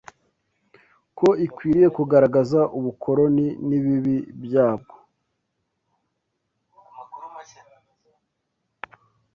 ko ikwiriye kugaragaza ubukoloni n’ibibi byabwo